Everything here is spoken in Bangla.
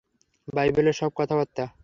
বাইবেলের সব কথাবার্তা।